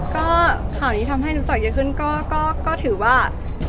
ก็ข่าวนี้ทำให้รู้จักเยอะขึ้นก็ถือว่า